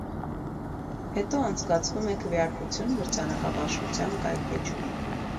Հետո անցկացվում է քվեարկություն մրցանակաբաշխության կայք էջում։